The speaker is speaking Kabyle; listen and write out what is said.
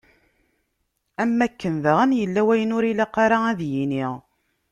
Am wakken daɣen, yella wayen ur ilaq ara ad yini.